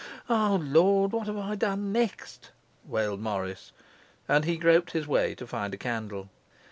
'O Lord, what have I done next?' wailed Morris; and he groped his way to find a candle.